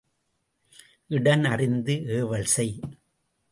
இடன் அறிந்து ஏவல் செய்.